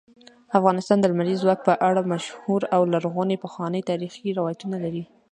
افغانستان د لمریز ځواک په اړه مشهور او لرغوني پخواني تاریخی روایتونه لري.